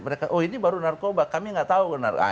mereka oh ini baru narkoba kami nggak tahu